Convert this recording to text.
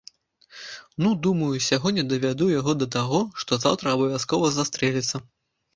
Ну, думаю, сягоння давяду яго да таго, што заўтра абавязкова застрэліцца.